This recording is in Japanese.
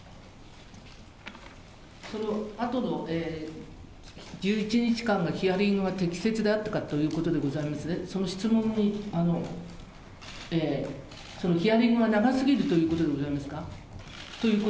そのあとの１１日間のヒアリングは適切であったかということでございますね、その質問に、そのヒアリングが長すぎるということでございますか？